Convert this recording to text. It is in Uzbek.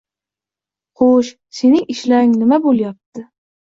— Xo‘sh, sening ishlaring nima bo‘lyapti?